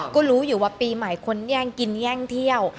ก็รู้อยู่ว่าปีใหม่คนแย่งกินแย่งเที่ยว